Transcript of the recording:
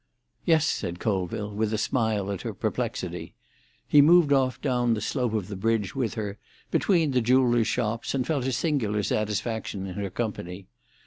"Yes," said Colville, with a smile at her perplexity. He moved off down the slope of the bridge with her, between the jewellers' shops, and felt a singular satisfaction in her company.